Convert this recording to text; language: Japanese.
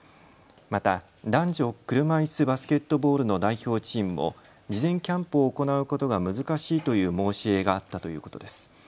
また、男女車いすバスケットボールの代表チームも事前キャンプを行うことが難しいという申し入れがあったということです。